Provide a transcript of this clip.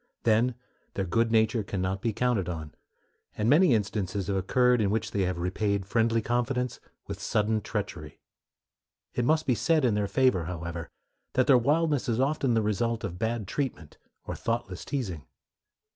Then their good nature can not be counted on; and many instances have occurred in which they have repaid friendly confidence with sudden treachery. It must be said in their favor, however, that their wildness is often the result of bad treatment or thoughtless teasing.